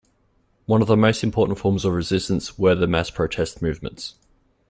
One of the most important forms of resistance were the mass protest movements.